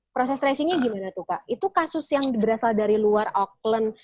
proses tracingnya gimana tuh pak itu kasus yang berasal dari luar auckland